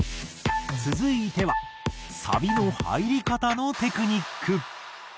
続いてはサビの入り方のテクニック。